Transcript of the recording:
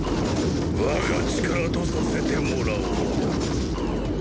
我が力とさせてもらおう。